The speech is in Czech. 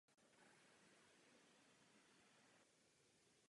Mohl za tím být ale metan.